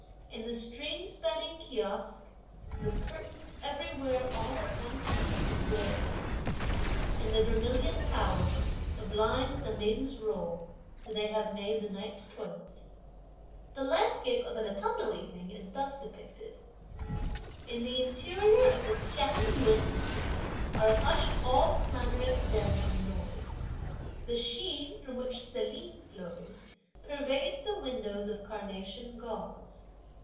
In the stream spanning kiosk, the curtains everywhere all at one time do wave. In the vermilion tower the blinds the maidens roll, for they have made the night's toilette. The landscape of an autumnal evening is thus depicted: In the interior of the Chiang Yün house are hushed all clamorous din and noise. The sheen, which from Selene flows, pervades the windows of carnation gauze.